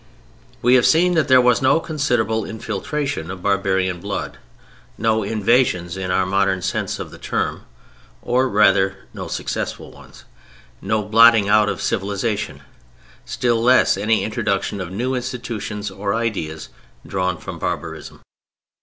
We have seen that there was no considerable infiltration of barbarian blood, no "invasions" in our modern sense of the term—(or rather, no successful ones); no blotting out of civilization, still less any introduction of new institutions or ideas drawn from barbarism.